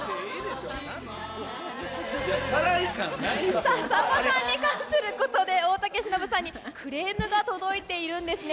さんまさんに関することで、大竹しのぶさんにクレームが届いているんですね。